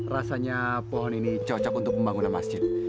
rasanya pohon ini cocok untuk pembangunan masjid